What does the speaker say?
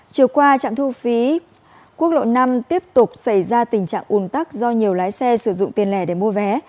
chiều qua trạm thu phí quốc lộ năm tiếp tục xảy ra tình trạng ùn tắc do nhiều lái xe sử dụng tiền lẻ để mua vé